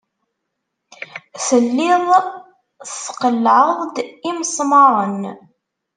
Telliḍ tqellɛeḍ-d imesmaṛen.